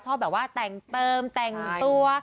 ชอบแบบว่าแต่งเติมแต่งตัว